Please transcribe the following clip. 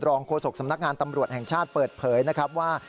โฆษกสำนักงานตำรวจแห่งชาติเปิดเผยนะครับว่า